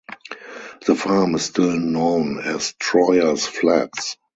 The farm is still known as Troyer's Flats.